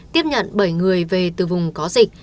tiếp nhận bảy người về từ vùng có dịch